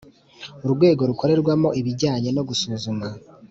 Urwego rukorerwamo ibijyanye no gusuzuma